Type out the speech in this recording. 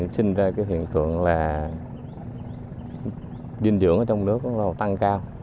trên đây hiện tượng là dinh dưỡng trong nước tăng cao